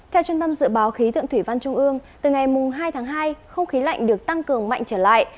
theo trung tâm dự báo khí tượng thủy văn trung ương từ ngày hai tháng hai không khí lạnh được tăng cường mạnh trở lại